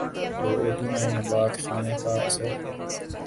کو اردو میں نبات خانے کا اثر